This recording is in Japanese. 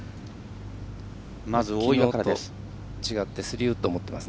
まず、大岩からです。